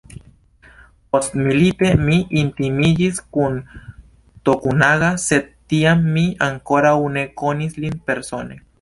Postmilite mi intimiĝis kun Tokunaga, sed tiam mi ankoraŭ ne konis lin persone.